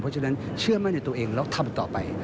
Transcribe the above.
เพราะฉะนั้นเชื่อมั่นในตัวเองแล้วทำต่อไป